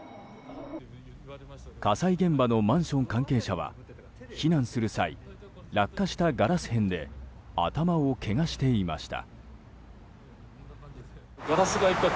火災現場のマンション関係者は避難する際落下したガラス片で頭をけがしていました。